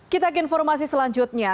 kita ke informasi selanjutnya